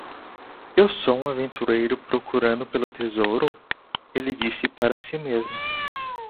"Eu sou um aventureiro? procurando pelo tesouro?" ele disse para si mesmo.